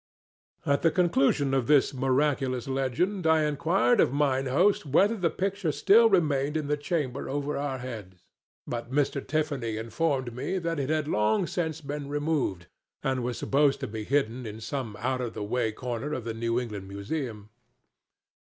At the conclusion of this miraculous legend I inquired of mine host whether the picture still remained in the chamber over our heads, but Mr. Tiffany informed me that it had long since been removed, and was supposed to be hidden in some out of the way corner of the New England Museum.